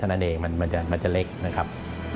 นั่นเองมันจะเล็กนะครับ